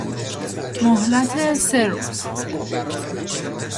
مهلت سه روز